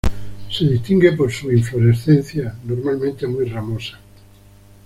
Se distingue por su inflorescencia, normalmente muy ramosa.